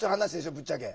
ぶっちゃけ。